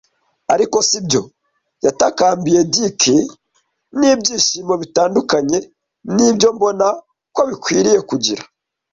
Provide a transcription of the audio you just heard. “Ariko si byo?” yatakambiye Dick n'ibyishimo bitandukanye. “Nibyo, mbona ko bikwiye kugira